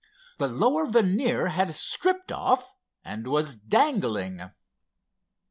The lower veneer had stripped off and was dangling.